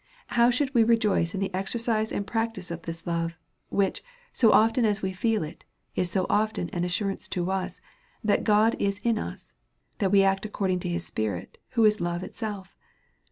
How should we rejoice in the exercise and practice of this love, which, so often as we feel it, is so often an assurance to us, that God is in us, that we act according to his Spirit, who is love itself?